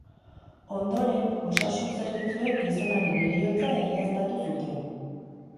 Ondoren, osasun zerbitzuek gizonaren heriotza egiaztatu zuten.